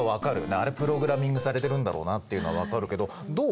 あれプログラミングされてるんだろうなっていうのは分かるけどどう？